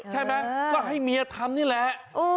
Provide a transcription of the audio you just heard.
ใช่ไหมก็ให้เมียทำนี่แหละ